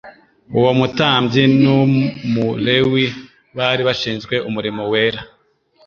Uwo mutambyi n'Umulewi, bari bashinzwe umurimo wera,